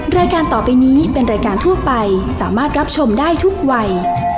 รายการต่อไปนี้เป็นรายการทั่วไปสามารถรับชมได้ทุกวัย